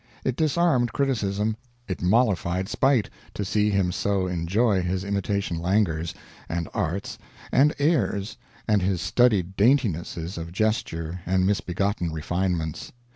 It disarmed criticism, it mollified spite, to see him so enjoy his imitation languors, and arts, and airs, and his studied daintinesses of gesture and misbegotten refinements.